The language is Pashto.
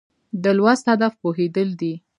د لوست هدف پوهېدل دي.